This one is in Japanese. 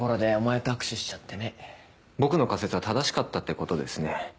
僕の仮説は正しかったってことですね。